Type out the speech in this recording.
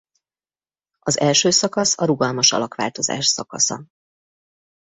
Az első szakasz a rugalmas alakváltozás szakasza.